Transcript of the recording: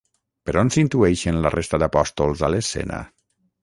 Per on s'intueixen la resta d'apòstols a l'escena?